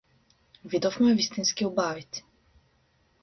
Видовме вистински убавици.